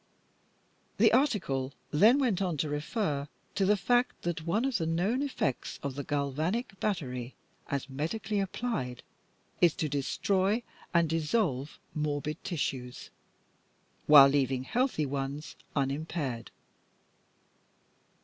The article then went on to refer to the fact that one of the known effects of the galvanic battery as medically applied, is to destroy and dissolve morbid tissues, while leaving healthy ones unimpaired.